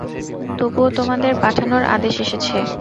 তবুও, তোমাদের পাঠানোর আদেশ এসেছে।